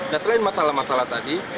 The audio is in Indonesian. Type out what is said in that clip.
dan selain masalah masalah tadi